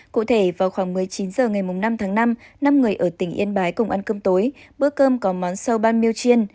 cụ thể vào khoảng một mươi chín h ngày năm tháng năm năm người ở tỉnh yên bái cùng ăn cơm tối bữa cơm có món sâu ban miêu chiên